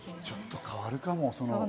ちょっと変わるかも。